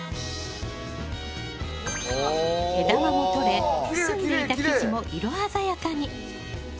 毛玉も取れ、くすんでいた生地も色鮮やかに。